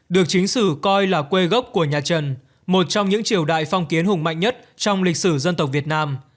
được chính sử coi là quê gốc của nhà trần một trong những triều đại phong kiến hùng mạnh nhất trong lịch sử dân tộc việt nam